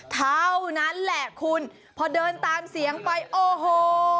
เท่านั้นแหละคุณพอเดินตามเสียงไปโอ้โห